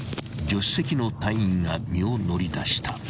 ［助手席の隊員が身を乗り出した］